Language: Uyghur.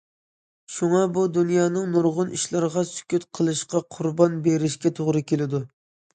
شۇڭا بۇ دۇنيانىڭ نۇرغۇن ئىشلىرىغا سۈكۈت قىلىشقا قۇربان بېرىشكە توغرا كېلىدۇ.